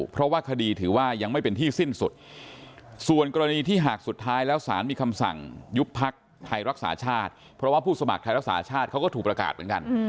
เพราะว่าผู้สมัครไทยรักษาชาติเขาก็ถูกประกาศเหมือนกัน